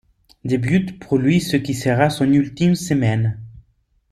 Débute pour lui ce qui sera son ultime semaine.